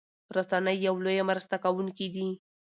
رسنۍ يو لويه مرسته کوونکي دي